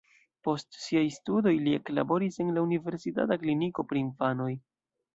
Post siaj studoj li eklaboris en la universitata kliniko pri infanoj.